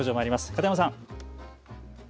片山さん。